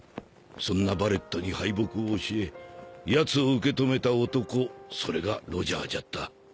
そんなバレットに敗北を教えやつを受け止めた男それがロジャーじゃった。